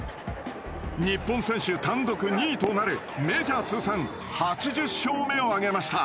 日本選手単独２位となるメジャー通算８０勝目を挙げました。